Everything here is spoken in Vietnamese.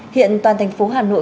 hiện toàn thành phố hà nội